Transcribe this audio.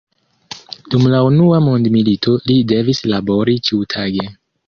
Dum la unua mondmilito li devis labori ĉiutage.